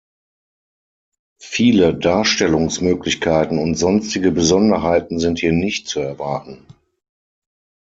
Viele Darstellungsmöglichkeiten und sonstige Besonderheiten sind hier nicht zu erwarten.